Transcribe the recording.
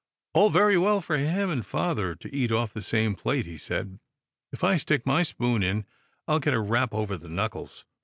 " All very well for him and father to eat oflF the same plate," he said. "If I stick my spoon in, I'll get a rap over the knuckles.